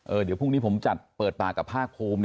เออเดี๋ยวพรุ่งนี้ผมจัดเปิดตากับ๕โคม